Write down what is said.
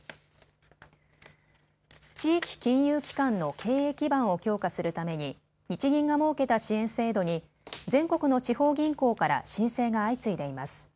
地域金融機関の経営基盤を強化するために日銀が設けた支援制度に全国の地方銀行から申請が相次いでいます。